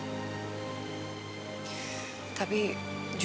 tapi jujur aja ini sangat mengganggu pikiran aku rum